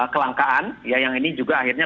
kelangkaan ya yang ini juga akhirnya